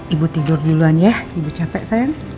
ibu tidur duluan ya ibu capek saya